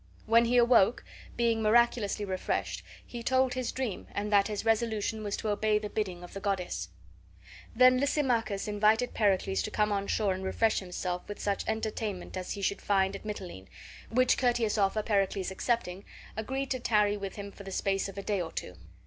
When he awoke, being miraculously refreshed, he told his dream, and that his resolution was to obey the bidding of the goddess. Then Lysimachus invited Pericles to come on shore and refresh himself with such entertainment as he should find at Mitylene, which courteous offer Pericles accepting, agreed to tarry with him for the space of a day or two.